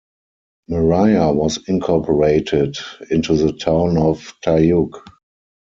Maria was incorporated into the town of Tayug.